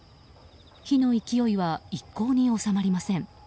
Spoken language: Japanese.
火の勢いは一向に収まりません。